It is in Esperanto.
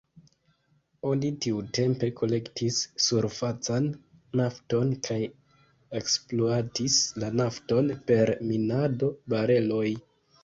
Oni tiutempe kolektis surfacan nafton kaj ekspluatis la nafton per minado, bareloj.